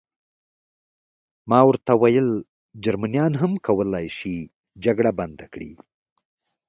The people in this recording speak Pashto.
ما ورته وویل: جرمنیان هم کولای شي جګړه بنده کړي.